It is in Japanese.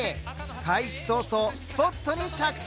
開始早々スポットに着地。